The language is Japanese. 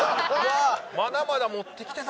まだまだ持ってきてたから。